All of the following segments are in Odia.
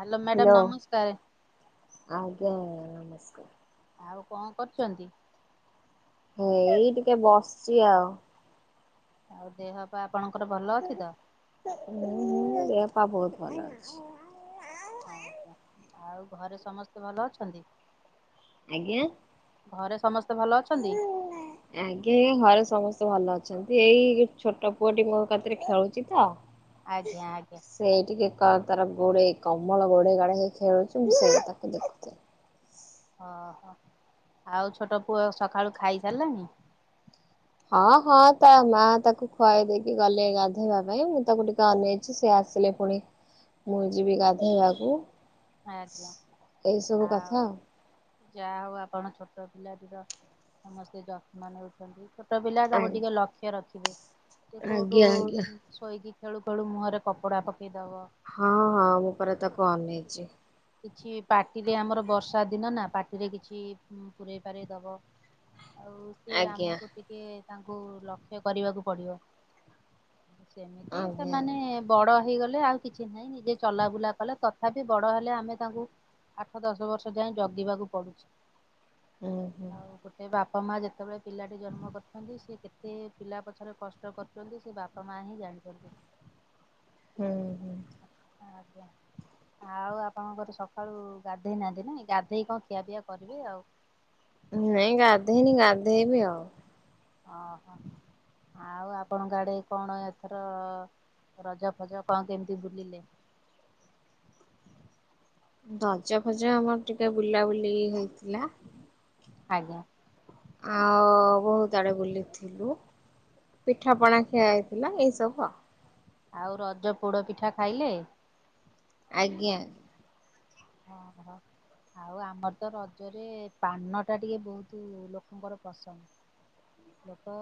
ହ୍ୟାଲୋ ମ୍ୟାଡ଼ାମ ନମସ୍କାର ଆଜ୍ଞା ଆଜ୍ଞା ନମସ୍କାର ଆଉ କଣ କରୁଛନ୍ତି ହେଇ ଟିକେ ବସିଛି ଆଉ ଆଉ ଦେହପା ଆପଣଙ୍କର ଭଲ ଅଛି ତ ହଁ ଦେପା ବହୁତ ଭଲ ଅଛି ଆ ଆ୍ଞା ଆଉ ଘରେ ସମସ୍ତେ ଭଲ ଅଛନ୍ତି ଆଜ୍ଞା ଘରେ ସମସ୍ତେ ଭଲ ଅଛନ୍ତି ଆଜ୍ଞା ଘରେ ସମସ୍ତେ ଭଲ ଅଛନ୍ତି ଏଇ ଛୋଟ ପୁଅଟି ମୋ କତିରେ ଖେଳୁଛି ତ ଆଜ୍ଞା ଆଜ୍ଞା ସେଇ ଟିକେ ତାର ଗୋଡେଇ କମଳ ଗୋଡେଇ ଗାଡେଇ ହେଇ ଖେଳୁଛି ମୁଁ ସେଇ ତାକୁ ଦେଖୁଛି ଓହୋ ଆଉ ଛୋଟ ପୁଅ ସକାଳୁ ଖାଇ ସାରିଲାଣି ହଁ ହଁ ତା ମା ତାକୁ ଖୁଆଇ ଦେଇକି ଗଲେ ଗାଧେଇବା ପାଇଁ ମୁଁ ତାକୁ ଟିକେ ଅନେଇଛି ସେ ଆସିଲେ ପୁଣି ମୁଁ ଯିବି ଗାଧେଇବାକୁ ଆଜ୍ଞା ଆଉ ଯାହା ହଉ ଆପଣ ଛୋଟ ପିଲାଟିର ସମସ୍ତେ ଯତ୍ନ ନେଉଛନ୍ତି ଛୋଟ ପିଲା ଆଉ। ତାକୁ ଟିକେ ଲକ୍ଷ୍ୟ ରଖିବେ ସେ କୋଉଠୁ ଆଜ୍ଞା ଆଜ୍ଞା। ଶୋଇକି ଖେଳୁ ଖେଳୁ ମୁହରେ କପଡା ପକେଇଦବ ହଁ ହଁ ମୁଁ ପରେ ତାକୁ ଅନେଇଛି କିଛି ପାଟିରେ ଆମର ବର୍ଷା ଦିନ ନା ପାଟିରେ କିଛି ପୁରେଇ ପାରେଇ ଦବ ସିଏ ଆଜ୍ଞା ଆମକୁ ଟିକେ ତାଙ୍କୁ ଲକ୍ଷ୍ୟ କରିବାକୁ ପଡିବ। ସେମିତି ଆଜ୍ଞା ଆଜ୍ଞା। ସେମାନେ ବଡ଼ ହେଇଗଲେ ଆଉ କିଛି ନାହିଁ ନିଜେ ଚଲାବୁଲା କଲେ, ତଥାପି ବଡ଼ ହେଲେ ଆମେ ତାଙ୍କୁ ଆଠ ଦଶ ବର୍ଷ ଯାଏ ଜଗିବାକୁ ପଡୁଛି, ହୁଁ ହୁଁ ଆଉ ଗୋଟେ ସେ ବାପା ମା ଯେତେବେଳେ ପିଲାଟି ଜନ୍ମ କରିଛନ୍ତି, ସେ କେତେ ପିଲା ପଛରେ କଷ୍ଟ କରି ଛନସେ ବାପା ମା ହିଁ ଜାଣିଛନ୍ତି। ହୁଁ। ଆଜ୍ଞା, ଆଉ ଆପଣଙ୍କ ସକାଳୁ ଗାଧେଇ ନାହାଁନ୍ତି ନା, ଗାଧେଇ କଣ ଖିଆ ପିଆ କରିବେ ଆଉ। ନାଇଁ, ଗାଧେଇନି ଗାଧେଇବି ଆଉ। ଓହୋ, ଆଉ ଆପଣଙ୍କ ଆାଡେ କଣ ଏଥର ରଜ ଫଜ କଣ କେମିତି ବୁଲିଲେ। ରଜା ଫଜ ଆମର ଟିକେ ବୁଲାବୁଲି ହେଇଥିଲା। ଆଜ୍ଞା। ଆଉ, ବହୁତ ଆଡେ ବୁଲିଥିଲୁ। ପିଠାପଣା ଖିଆ ହେଇଥିଲା ଏଇ ସବୁ ଆଉ ଆଉ ରଜ ପୋଡ ପିଠା ଖାଇଲେ। ଆଜ୍ଞା ହଁ, ହଁ ଆଉ ଆମର ତ ରଜରେ ପାନ ଟା ଟିକେ ବହୁତ ଲୋକଙ୍କର ପସନ୍ଦ। ଲୋକ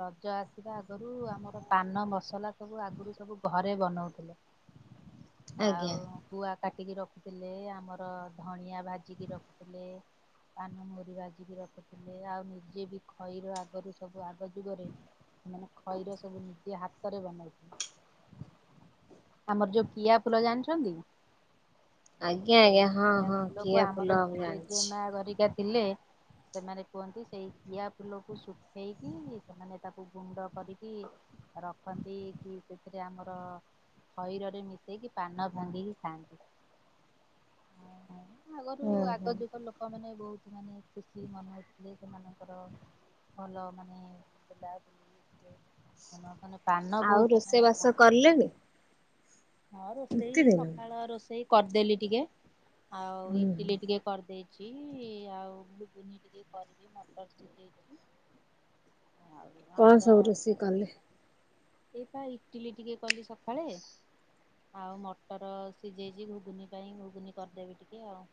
ରଜ ଆସିବା ଆଗରୁ ଆମର ପାନ ମସଲା ସବୁ ଆଗରୁ ସବୁ ଘରେ ବନାଉଥିଲେ। ଆଜ୍ଞା ଆଉ ଗୁଆ କାଟିକି ରଖୁଥିଲେ, ଆମର ଧଣିଆ ଭାଜିକି ରଖୁଥିଲେ। ପାନ ମଧୁରି ଭାଜିକି ରଖୁଥିଲେ, ଆଉ ନିଜେ ବି ଖଇର ଆ ଆଗରୁ ସବୁ, ଆଗ ଯୁଗରେ ସେମାନେ ଖଇର ସବୁ ନିଜେ ହାତରେ ବନାଉଥିଲେ। ଆମର ଯୋଉ କିଆ ଫୁଲ ଜାଣିଛନ୍ତି। ଆଜ୍ଞା ଆଜ୍ଞା ହଁ ସେଇଆ ହଁ ଫୁଲକୁ କିଆ ଫୁଲ ଆମର ମୁଁ ଜେଜେ ଜାଣିଛି। ମା ହେରିକା ଥିଲେ ସେମାନେ କୁହନ୍ତି, ସେଇ କିିଆ ଫୁଲକୁ ଶ ହେଇକି, ସେମାନେ ତାକୁ ଗୁଣ୍ଡ କରିକି ରଖନ୍ତି କି, ସେଥିରେ ଆମର ଖଇରରେ ମିଶେଇକି, ପାନ ଭାଙ୍ଗିକି ଖାଆନ୍ତି। ଆଗରୁ, ହୁଁ ହୁଁ ଆଗ ଯୁଗ ଲୋକମାନେ ବହୁତ ମାନେ, ଖୁସି ମନଉଥିଲେ ସେମାନଙ୍କର। ଭଲ ମାନେ ବୁଲା ବୁଲିରେ ମ ମାନେ ପାନ ଆଉ ବହୁତ ରୋଷେଇ ସେମାନେ ବାସ ଖାଆନ୍ତି। କଲେଣି ହଁ, ରୋଷେଇ ନିତିଦିନ? ସକାଳ ରୋଷେଇ କରିଦେଲି ଟିକେ, ଆଉ ହୁଁ ଇଟିଲି ଟିକେ କରିଦେଇଛି, ଆଉ ଘୁଗୁନି ଟିକେ କରିବି ମଟର ସିଝେଇଛି। ଆଉ କଣ ଆମର, ସବୁ ରୋଷେଇ କଲେ ଏଇତ ଇଟିଲି ଟିକେ କଲି ସକାଳେ। ଆଉ ମଟର ସିଝେଇଛି, ଘୁଗୁନି ପାଇଁ ଘୁଘୁନି କରିଦେବି ଟିକେ ଆଉ।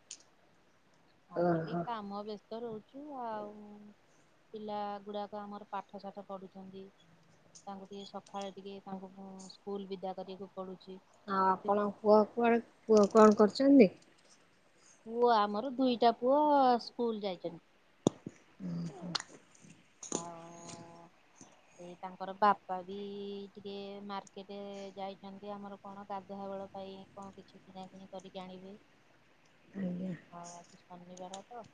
ଆଉ ଟିକେ ଓହୋ। କାମ ବ୍ୟସ୍ତ ରହୁଛି ଆଉ। ପିଲା ଗୁଡାକ ଆମର ପାଠସାଠ ପଢୁଛନ୍ତି। ତାଙ୍କୁ ଟିକେ ସକାଳେ ଟିକେ, ତାଙ୍କୁ ସ୍କୁଲ ବିଦା କରିବାକୁ ପଡ଼ୁଛି। ଆଉ ଆପଣ ପୁଅ କୁଆଡ଼େ ପୁଅ କଣ କରୁଛନ୍ତି। ପୁଅ ଆମର ଦୁଇଟା ପୁଅ ସ୍କୁଲ ଯାଇଛନ୍ତି। ହୁଁ ହଁ। ଏ ତାଙ୍କର ବାପା ବି ଟିକେ ମାର୍କେଟ ଯାଇଛନ୍ତି ଆମର କଣ ଗାଧୁଆବେଳ ପାଇଁ କଣ କିଛି କିଣା କିିଣି କରିକି ଆଣିବେ, ଆଜ୍ଞା। ଆଉଉ ଶନିବାର ତ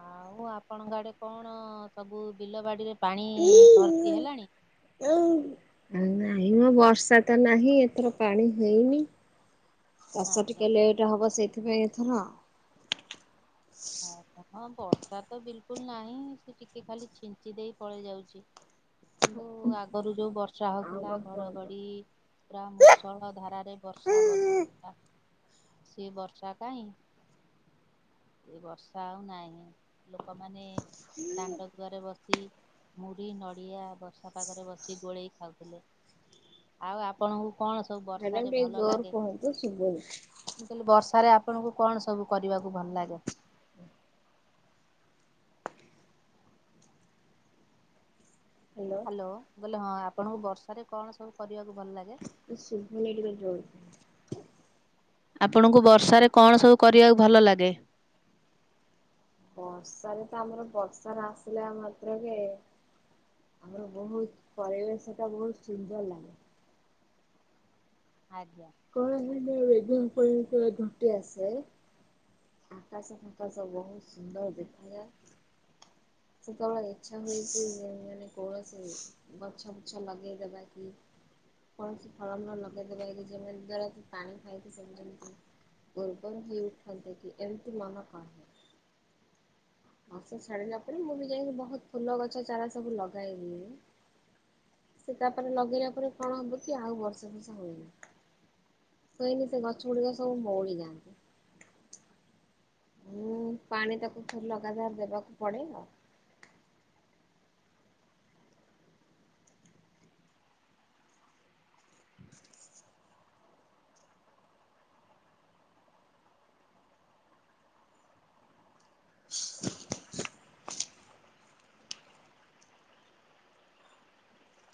ଆଉ ଆପଣଙ୍କ ଆଡେ କଣ ସବୁ ବିଲ ବାଡ଼ିରେ ପାଣି ଭର୍ତ୍ତି ହେଲାଣି। ନାଇଁ ମ ବର୍ଷା ତ ନାହିଁ ଏଥର ପାଣି ହେଇନି। ଚାଷ ଆଜ୍ଞା। ଟିକେ ଲେଟ ହବ ସେଇଥିପାଇଁ ଏଥର। ହଁ ବର୍ଷା ତ ବିଲକୁଲ ନାହିଁ ସେ ଟିକେ ଖାଲି ଛିଞ୍ଚି ଦେଇ ପଳେଇ ଯାଉଛି। କିନ୍ତୁ ଆଗରୁ ଯୋଉ ବର୍ଷା ଆଉ ହଉଥିଲା କଣ କୁହନ୍ତୁ? ଘଡଘଡି। ପୁରା ମୁଷଳ ଧାରାରେ ବର୍ଷା ବା ସେ ବର୍ଷା କାହିଁ। ଏ ବର୍ଷା ଆଉ ନାହିଁ ଲୋକମାନେ ଦାଣ୍ଡ ଘରେ ବସି ମୁଢି ନଡ଼ିଆ ବର୍ଷା ପାଗରେ ବସି ଗୋଳେଇ ଖାଉଥିଲେ। ଆଉ ଆପଣଙ୍କୁ କଣ ସବୁ ବର୍ଷା ମ୍ୟାଡାମ ରେ ଟିକେ ଭଲ ଜୋର ଲାଗେ। କୁହନ୍ତୁ ଶୁଭୁନି। ମୁ କହିଲି ବର୍ଷାରେ ଆପଣଙ୍କୁ କଣ ସବୁ କରିବାକୁ ଭଲ ଲାଗେ? ହ୍ୟାଲୋ ବୋଲେ ହଁ ଆପଣଙ୍କୁ ବର୍ଷାରେ କଣ ସବୁ କରିବାକୁ ଭଲ ଲାଗେ? କିଛି ଶୁଭୁନି ଟିକେ ଜୋରେ ଆପଣଙ୍କୁ ବର୍ଷାରେ କଣ ସବୁ କରିବାକୁ ଭଲ ଲାଗେ। ବର୍ଷାରେ ତ ଆମର ବର୍ଷା ଆସିଲା ମାତ୍ରକ ଆମର ବହୁତ ପରିବେଶ ଟା ବହୁତ ସୁନ୍ଦର ଲାଗେ। ଆଜ୍ଞା। [unintelligible] ଘୋଟି ଆସେ। ଆକାଶ ଫାକାସ ବହୁତ ସୁନ୍ଦର ଦେଖାଯାଏ। ସେତେବେଳେ ଇଚ୍ଛା ହୁଏ କି ମାନେ କୌଣସି ଗଛ ବୁଛ ଲଗେଇ ଦେବା କି। କୌଣସି ଫଳ ମୂଳ ଲଗେଇଦବା ଯେ ପାଣି ଖାଇକି ସେ। ଉର୍ବର ହେଇ ଉଠେନ୍ତେ ଏମିତି ମନ କହେ। ବର୍ଷା ଛାଡିଲା ପରେ ମୁଁ ବି ଯାଇକି ବହୁତ ଫୁଲ ଗଛ ଚାରା ସବୁ ଲଗେଇଦିଏ। ସେ ତାପରେ ଲଗେଇଲା ପରେ କଣ ହବ କି ଆଉ ବର୍ଷା ଫର୍ଷା ହୁଏନି। ସେଇନେ ସେ ଗଛ ଗୁଡିକ ସବୁ ମଉଳିଯାଆନ୍ତି। ହୁଁ ପାଣି ତାକୁ ଥରେ ଲଗାତାର ଦେବାକୁ ପଡେ ଆଉ।